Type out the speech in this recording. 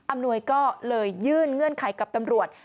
อำนวยก็เลยยื่นเงื่อนไขกับตำรวจ